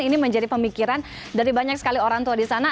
ini menjadi pemikiran dari banyak sekali orang tua di sana